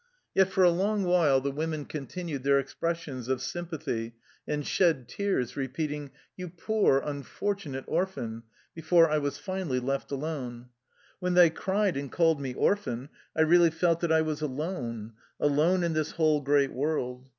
Yet for a long while the women continued their expressions of sympathy and shed tears, repeating, " You poor, unfortunate orphan," be fore I was finally left alone. When they cried and called me " orphan '' I really felt that I was alone, alone in this whole great world.